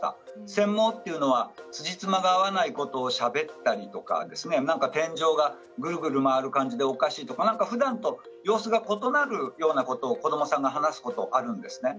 せん妄というのは、つじつまが合わないことをしゃべったりとか天井がぐるぐる回る感じでおかしいとか、ふだんと様子が異なるようなことを子どもさんが話すことがあるんです。